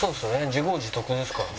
自業自得ですからね。